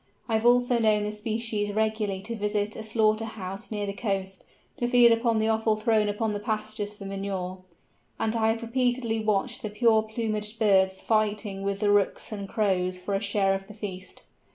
I have also known this species regularly to visit a slaughter house near the coast, to feed upon the offal thrown upon the pastures for manure; and I have repeatedly watched the pure plumaged birds fighting with the Rooks and Crows for a share of the feast.